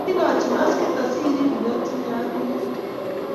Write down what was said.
ilochi maskit asiriib ne otinye ak inyende